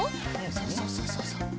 そうそうそうそう。